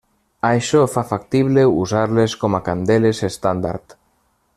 Això fa factible usar-les com a candeles estàndard.